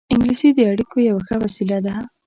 انګلیسي د اړیکو یوه ښه وسیله ده